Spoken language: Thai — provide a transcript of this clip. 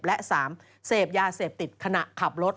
และ๓เสพยาเสพติดขณะขับรถ